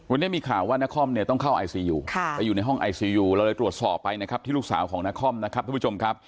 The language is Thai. วันนี้มีข่าวว่านครเนี่ยต้องเข้าไอซียูไปอยู่ในห้องไอซียูเราเลยตรวจสอบไปนะครับที่ลูกสาวของนครนะครับทุกผู้ชมครับ